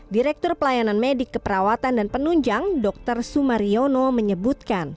direktur pelayanan medik keperawatan dan penunjang dr sumariono menyebutkan